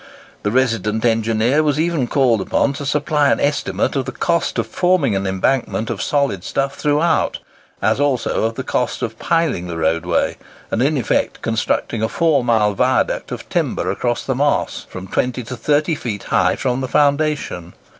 The resident engineer was even called upon to supply an estimate of the cost of forming an embankment of solid stuff throughout, as also of the cost of piling the roadway, and in effect constructing a four mile viaduct of timber across the Moss, from twenty to thirty feet high from the foundation.